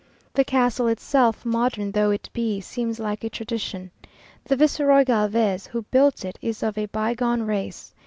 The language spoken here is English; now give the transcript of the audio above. The castle itself, modern though it be, seems like a tradition! The Viceroy Galvez, who built it, is of a bygone race!